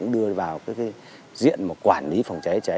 đưa vào diện quản lý phòng cháy cháy